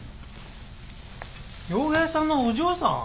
陽平さんのお嬢さん？